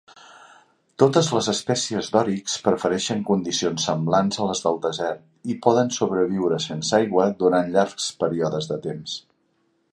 Totes les espècies d'òrix prefereixen condicions semblants a les del desert i poden sobreviure sense aigua durant llargs períodes de temps.